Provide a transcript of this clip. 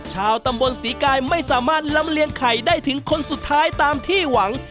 ชาวตำบลศรีกายไม่สามารถลำเลียงไข่ได้ถึงคนสุดท้ายตามที่หวัง